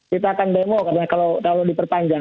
kita akan demo karena kalau diperpanjang